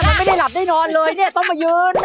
แล้วไม่ได้หลับได้นอนเลยเนี่ยต้องมายืน